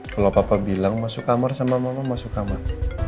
kalau papa bilang masuk kamar sama mama masuk kamar